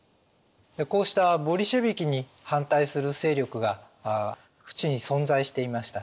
こうしたボリシェヴィキに反対する勢力が各地に存在していました。